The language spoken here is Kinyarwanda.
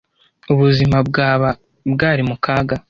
Ubuzima bwaba bwari mu kaga